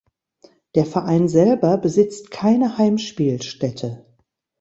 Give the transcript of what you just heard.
Der Verein selber besitzt keine Heimspielstätte.